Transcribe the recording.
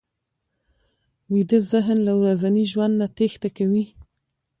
ویده ذهن له ورځني ژوند نه تېښته کوي